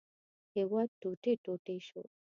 هېواد ټوټې ټوټې شو.